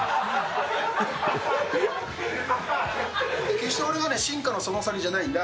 決して俺がね、進化のその先じゃないんだ。